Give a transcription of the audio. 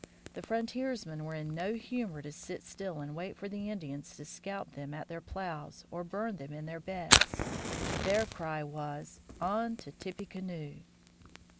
The frontiersmen were in no humor to sit still and wait for the Indians to scalp them at their plows or burn them in their beds. Their cry was, "On to Tippecanoe!"